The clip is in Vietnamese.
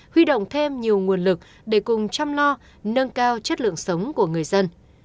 huy động thêm nhiều nguồn lực để cùng chăm lo nâng cao chất lượng sống của người dân